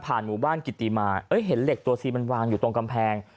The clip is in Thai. หมู่บ้านกิติมาเห็นเหล็กตัวซีมันวางอยู่ตรงกำแพง